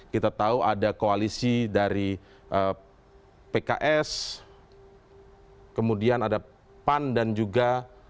kita tahu ada koalisi dari pks kemudian ada pan dan juga